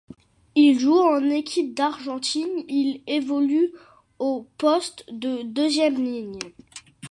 Il joue en équipe d'Argentine, il évolue au poste de deuxième ligne.